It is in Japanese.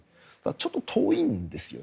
ちょっと遠いんですよ。